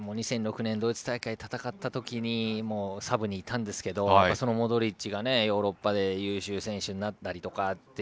２００６年ドイツ大会で戦った時にサブにいたんですけどそのモドリッチがヨーロッパで優秀選手になったりとか。